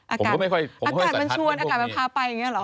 อากาศมันพาไปอย่างนี้เหรอ